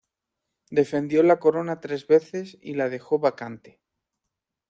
Defendió la corona tres veces y la dejó vacante.